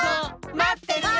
まってるよ！